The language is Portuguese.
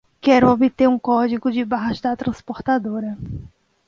Quero obter um código de barras da transportadora